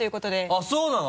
あっそうなの？